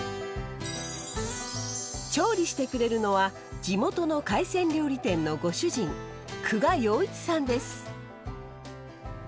調理してくれるのは地元の海鮮料理店のご主人久我要一さんです。